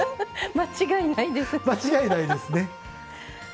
間違いないですねハハハ。